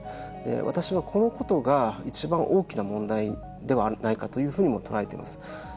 私はこのことがいちばん大きな問題ではないかというふうにも捉えています。